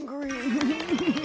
フフフフ。